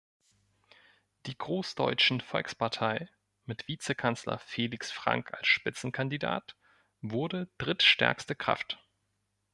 Die Großdeutschen Volkspartei, mit Vizekanzler Felix Frank als Spitzenkandidat, wurde drittstärkste Kraft.